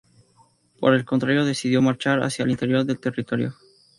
Por el contrario, decidió marchar hacia el interior del territorio.